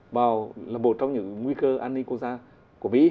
vào là một trong những nguy cơ an ninh quốc gia của mỹ